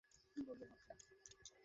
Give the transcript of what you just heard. আমার প্রেমকাহিনীটা শোন।